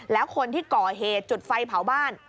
แล้วคนที่ก่อเหตุจุดไฟเผาบ้าน